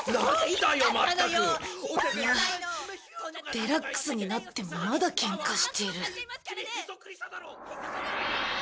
デラックスになってもまだケンカしてる。